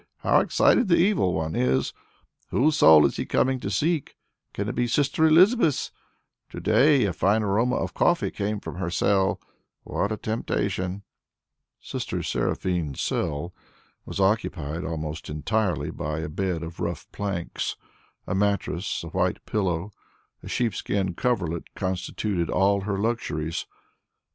How excited the Evil One is! Whose soul is he coming to seek? Can it be Sister Elizabeth's? To day a fine aroma of coffee came from her cell. What a temptation!" Sister Seraphine's cell was occupied almost entirely by a bed of rough planks; a mattress, a white pillow, a sheepskin coverlet constituted all her luxuries.